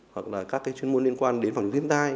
hoặc là các chuyên môn liên quan đến phòng chống thiên tai